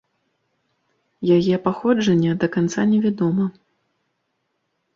Яе паходжанне да канца не вядома.